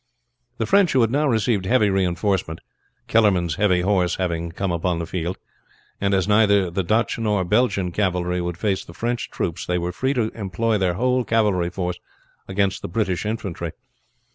The French had now received heavy reinforcement Kellermann's heavy horse having come upon the field and as neither the Dutch nor Belgian cavalry would face the French troopers they were free to employ their whole cavalry force against the British infantry.